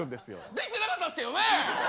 できてなかったですけどね！